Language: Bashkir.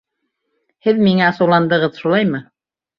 Һеҙ миңә асыуландығыҙ, шулаймы?